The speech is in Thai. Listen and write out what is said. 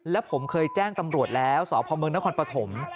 และผมเคยแจ้งตำรวจแล้วสพเมืองนครปฐม